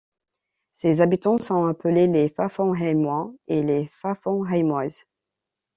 Ses habitants sont appelés les Pfaffenheimois et les Pfaffenheimoises.